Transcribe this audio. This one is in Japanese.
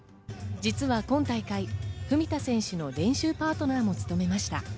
実は今大会、文田選手の練習パートナーも務めました。